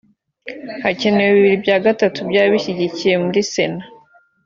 hakenewe bibiri bya gatatu by'ababishyigikiye muri sena